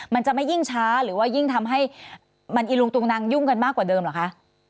มันอิลุงตุงนังยุ่งกันมากกว่าเดิมหรอคะ